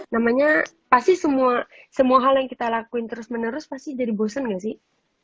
namanya pasti semua hal yang kita lakuin terus menerus pasti jadi bosen gak sih